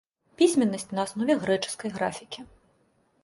Пісьменнасць на аснове грэчаскай графікі.